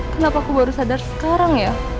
kenapa aku baru sadar sekarang ya